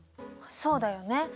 そうだよね。